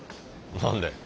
何で？